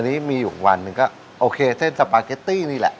อันนี้มีอยู่วันหนึ่งก็โอเคเส้นสปาเกตตี้นี่แหละ